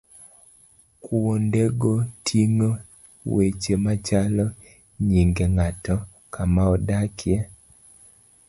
Kuondego ting'o weche machalo nyinge ng'ato, kama odakie.